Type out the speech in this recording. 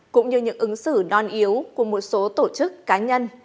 cũng như những ứng xử non yếu của một số tổ chức cá nhân